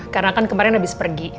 karena kan kemarin abis pergi